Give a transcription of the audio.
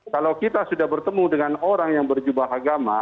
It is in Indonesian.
kalau kita sudah bertemu dengan orang yang berjubah agama